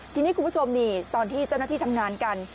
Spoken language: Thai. ทีนี้คุณผู้ชมนี่ตอนที่เจ้าหน้าที่ทำงานกัน